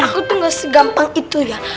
aku tuh gak segampang itu ya